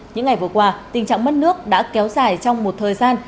những ngày vừa qua tình trạng mất nước đã kéo dài trong một thời gian